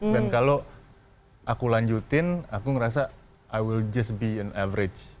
dan kalau aku lanjutin aku ngerasa i will just be an average